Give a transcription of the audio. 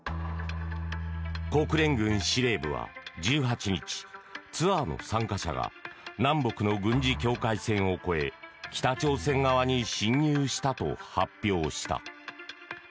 国連軍司令部は１８日ツアーの参加者が南北の軍事境界線を越え北朝鮮側に侵入したと発表した。